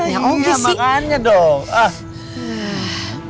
ya makanya dong